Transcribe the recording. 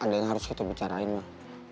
andainya harus kita bicarain mah